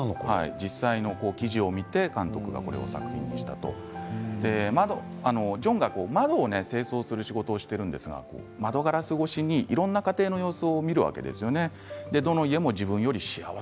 実際の記事を見て監督が作品にしたとジョンは窓を清掃する仕事をしているんですが窓ガラス越しにいろいろな家庭の様子を見るわけですよね。